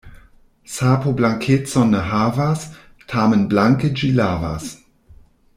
Sapo blankecon ne havas, tamen blanke ĝi lavas.